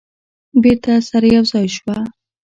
بیرته سره یو ځای شوه.